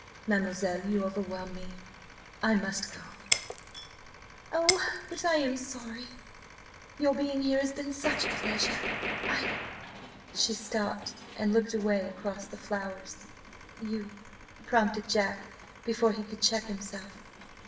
"Mademoiselle–you overwhelm me–I must go." "Oh, but I am sorry. Your being here has been such a pleasure! I—"She stopped, and looked away across the flowers. "You?" prompted Jack before he could check himself.